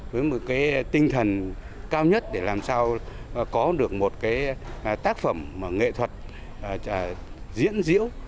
với một tinh thần cao nhất để làm sao có được một tác phẩm nghệ thuật diễn diễu